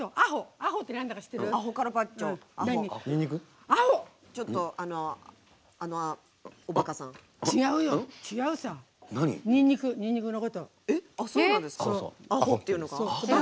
「アホ」っていうのが？